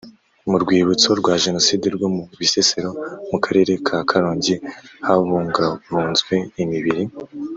Mu rwibutso rwa Jenoside rwo mu Bisesero mu Karere ka Karongi habungabunzwe imibiri